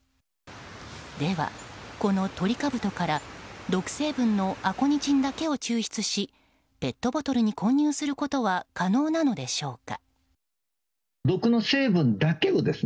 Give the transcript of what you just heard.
では、このトリカブトから毒成分のアコニチンだけを抽出しペットボトルに混入することは可能なのでしょうか。